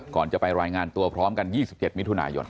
ก่อนจะไปรายงานตัวพร้อมกัน๒๗มิถุนายน